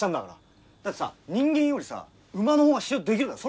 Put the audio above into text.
だってさ人間よりさ馬の方が信用できるから。